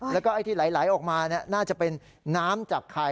แล้วก็ไอ้ที่ไหลออกมาน่าจะเป็นน้ำจากไข่